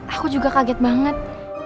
aku juga kaget banget